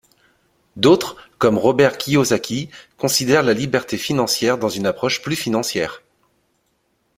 D'autres, comme Robert Kiyosaki, considèrent la liberté financière dans une approche plus financière.